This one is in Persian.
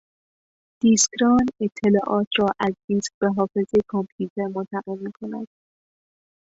دیسکران اطلاعات رااز دیسک به حافظهی کامپیوتر منتقل میکند.